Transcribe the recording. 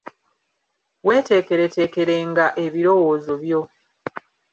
Weeteeketeekerenga ebirowozo byo.